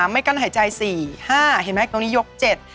๑๒๓ไม่กั้นหายใจ๔๕เห็นไหมตรงนี้ยก๗๘๙๑๐